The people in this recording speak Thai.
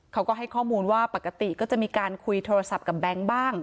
เขาก็ให้ข้อมูลว่าปกติก็จะมีการคุยโทรศัพท์กับแบงค์บ้าง